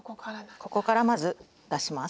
ここからまず出します。